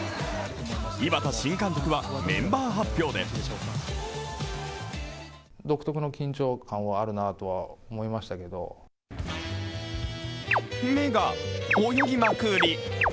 井端新監督はメンバー発表で目が泳ぎまくり！